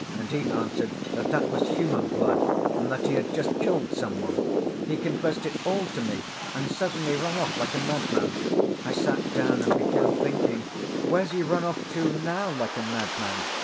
and he answered that that was human blood, and that he had just killed some one. He confessed it all to me, and suddenly ran off like a madman. I sat down and began thinking, where's he run off to now like a madman?